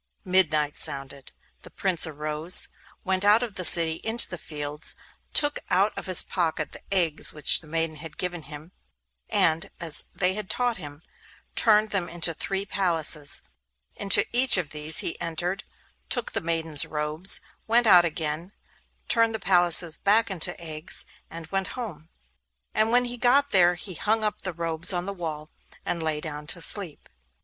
Midnight sounded. The Prince arose, went out of the city into the fields, took out of his pocket the eggs which the maidens had given him, and, as they had taught him, turned them into three palaces. Into each of these he entered, took the maidens' robes, went out again, turned the palaces back into eggs, and went home. And when he got there he hung up the robes on the wall, and lay down to sleep.